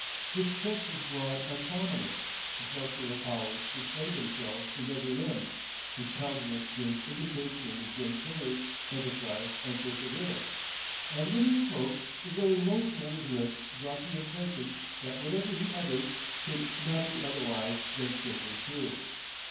His chest was broad and prominent; his muscular powers displayed themselves in every limb; his countenance gave indication of his great courage, enterprise, and perseverance; and when he spoke the very motion of his lips brought the impression that whatever he uttered could not be otherwise than strictly true.